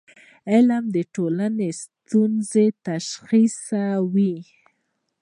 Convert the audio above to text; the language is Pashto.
علم د ټولنې ستونزې تشخیصوي.